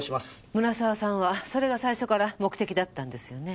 村沢さんはそれが最初から目的だったんですよね？